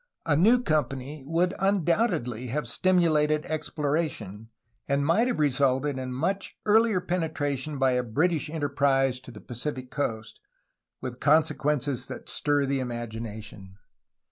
A new company would undoubtedly have stimulated exploration, and might have resulted in much earlier penetration by a British enterprise to the Pacific coast, — with consequences that stir the imagination!